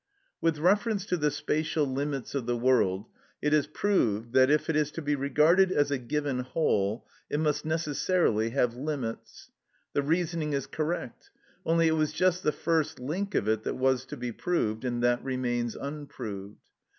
(8) With reference to the spatial limits of the world, it is proved that, if it is to be regarded as a given whole, it must necessarily have limits. The reasoning is correct, only it was just the first link of it that was to be proved, and that remains unproved.